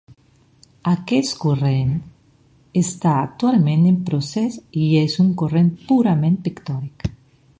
Aquest corrent està actualment en procés i és un corrent purament pictòric.